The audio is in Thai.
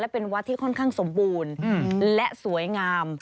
เป็นวัดที่ค่อนข้างสมบูรณ์และสวยงาม